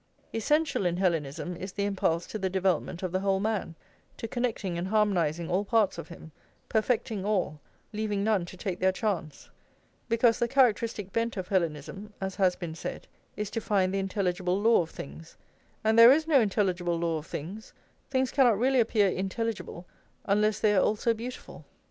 Essential in Hellenism is the impulse to the development of the whole man, to connecting and harmonising all parts of him, perfecting all, leaving none to take their chance; because the characteristic bent of Hellenism, as has been said, is to find the intelligible law of things, and there is no intelligible law of things, things cannot really appear intelligible, unless they are also beautiful.